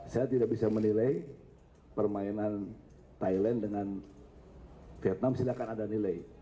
saya tidak bisa menilai permainan thailand dengan vietnam silahkan ada nilai